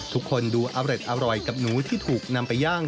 ทุกคนดูอร่อยกับหนูที่ถูกนำไปย่าง